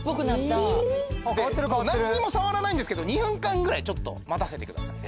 何にも触らないんですけど２分間ぐらい待たせてください。